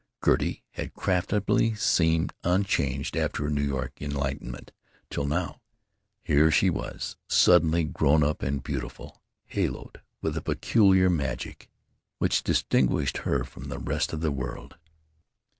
Gertie had craftily seemed unchanged after her New York enlightenment till now—here she was, suddenly grown up and beautiful, haloed with a peculiar magic, which distinguished her from all the rest of the world.